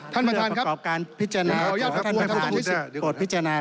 ท่านประธานครับเพื่อประกอบการพิจารณาของท่านประธาน